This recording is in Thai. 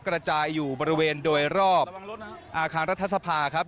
กระจายอยู่บริเวณโดยรอบอาคารรัฐสภาครับ